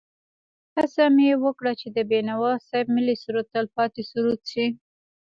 هڅه مې وکړه چې د بېنوا صاحب ملي سرود تل پاتې سرود شي.